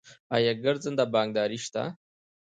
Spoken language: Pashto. آیا ګرځنده بانکداري شته؟